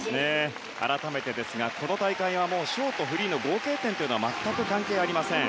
改めてですが、この大会はショート、フリーの合計点は全く関係ありません。